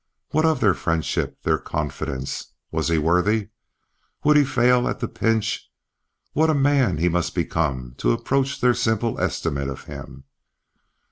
What of their friendship, their confidence? Was he worthy? Would he fail at the pinch? What a man he must become to approach their simple estimate of him!